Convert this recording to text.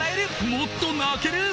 もっと泣ける！